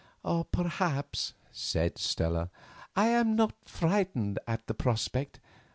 "Perhaps," said Stella, "I am not frightened at the prospect.